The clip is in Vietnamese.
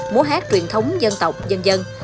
múa hát truyền thống dân tộc dân dân